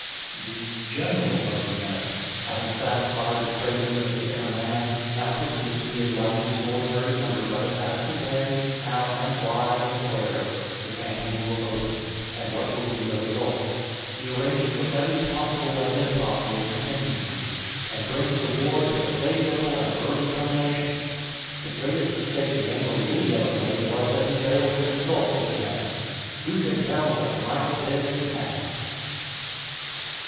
The "General" of the mess, having satisfied the cravings of the inner man, now proceeds to enlighten the ordinary members of it as to when, how, and why, and where, the campaign will open, and what will be the result. He arranges for every possible and impossible contingency, and brings the war to a favorable and early termination. The greatest mistake General Lee ever made was that he failed to consult this man. Who can tell what "might have been" if he had?